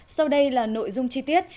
sau đây là nội dung chi tiết